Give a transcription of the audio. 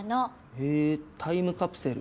へぇタイムカプセル。